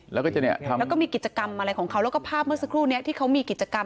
แล้วก็มีกิจกรรมอะไรของเขาแล้วก็ภาพเมื่อสักครู่นี้ที่เขามีกิจกรรม